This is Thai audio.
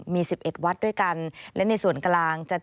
มี๑๑วัดด้วยกัน